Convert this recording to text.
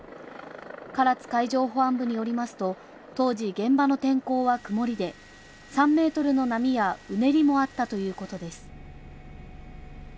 唐津海上保安部によりますと、当時現場の天候は曇りで３メートルの波やうねりもあったということです。